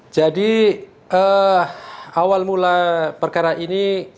jadi awal mula perkara ini